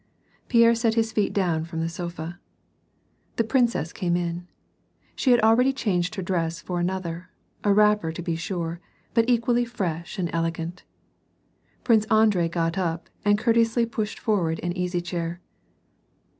Pierre set his feet down from the sofa. The princess came in. She had already changed her dress for another, a wrapper to be sure, but equally fresh and ele gant. Prince Andrei got up and courteously pushed forward an easv chair.